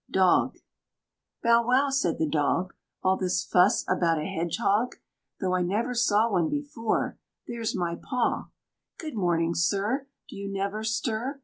DOG. "Bow wow!" said the Dog: "All this fuss about a Hedgehog? Though I never saw one before There's my paw! Good morning, Sir! Do you never stir?